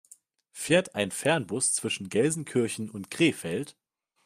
Fährt ein Fernbus zwischen Gelsenkirchen und Krefeld?